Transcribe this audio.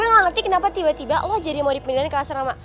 gua gak ngerti kenapa tiba tiba lo jadi yang mau dipindahin ke asrama